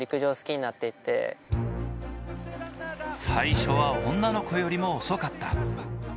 最初は女の子よりも遅かった。